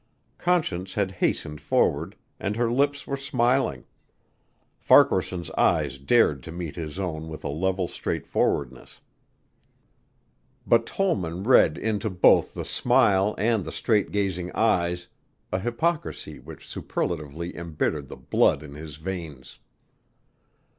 Conscience had hastened forward and her lips were smiling. Farquaharson's eyes dared to meet his own with a level straightforwardness. But Tollman read into both the smile and the straight gazing eyes a hypocrisy which superlatively embittered the blood in his veins.